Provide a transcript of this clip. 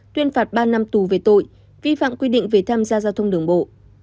tuyên phạt ba năm tù về tội vi phạm quy định về tham gia giao thông đường bộ